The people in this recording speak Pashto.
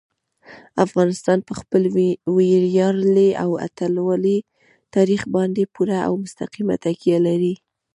افغانستان په خپل ویاړلي او اتلولۍ تاریخ باندې پوره او مستقیمه تکیه لري.